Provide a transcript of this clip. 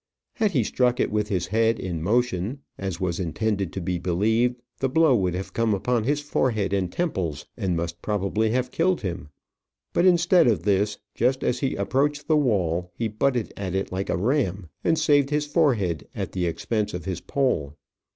Had he struck it with his head in motion, as was intended to be believed, the blow would have come upon his forehead and temples, and must probably have killed him; but instead of this, just as he approached the wall, he butted at it like a ram, and saved his forehead at the expense of his pole.